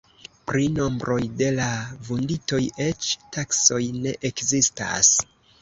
Pri nombroj de la vunditoj eĉ taksoj ne ekzistas.